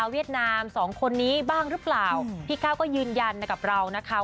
พี่ก้าวก็ยืนยันกับเรานะคะ